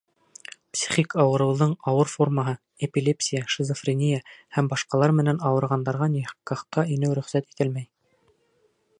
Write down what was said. Психик ауырыуҙың ауыр формаһы, эпилепсия, шизофрения һәм башҡалар менән ауырығандарға никахҡа инеү рөхсәт ителмәй.